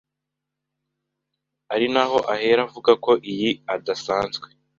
ari naho ahera avuga ko iyi adasanzwe